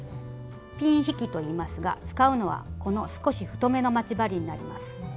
ピン引きといいますが使うのはこの少し太めの待ち針になります。